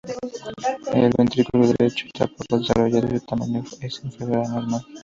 El ventrículo derecho está poco desarrollado y su tamaño es inferior al normal.